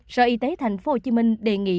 sở y tế tp hcm đề nghị